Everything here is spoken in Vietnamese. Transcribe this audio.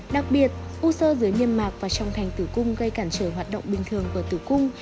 đặc biệt u sơ dưới niêm mạc và trong thành tử cung gây cản trở hoạt động bình thường ở tử cung